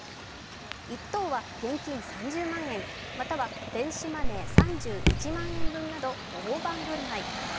１等は現金３０万円、または電子マネー３１万円分など大盤振る舞い。